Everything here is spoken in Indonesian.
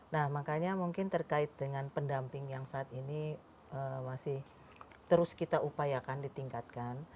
nah makanya mungkin terkait dengan pendamping yang saat ini masih terus kita upayakan ditingkatkan